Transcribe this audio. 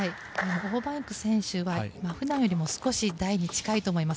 オウ・マンイク選手は普段より少し台に近いと思います。